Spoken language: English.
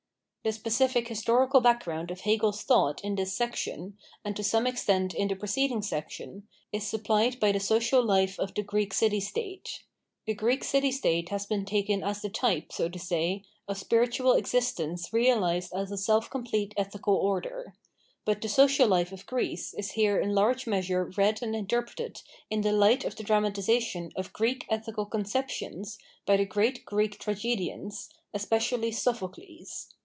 The specific historical background of Hegebs thought in this section, and to some extent in the preceding section, is supplied by the social life of the Greek city state. The Greek city state has been taken as the type, so to say, of spiritual existence realised as a self complete ethical order. But the social life of Greece is here in large measure read and interpreted in the light of the dramatisation of Greek ethical conceptions by the great Greek tragedians, especially Sophocles.